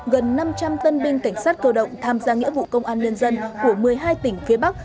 gần năm trăm linh tân binh cảnh sát cơ động tham gia nghĩa vụ công an nhân dân của một mươi hai tỉnh phía bắc